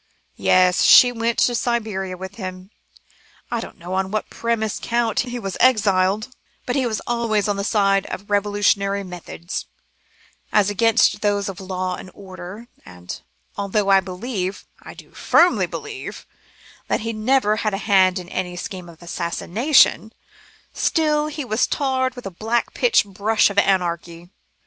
"Yes, she went to Siberia with him. I don't know on what precise count he was exiled, but he was always on the side of revolutionary methods, as against those of law and order, and although I believe I do firmly believe that he never had a hand in any scheme of assassination, still, he was tarred with the pitch black brush of anarchy.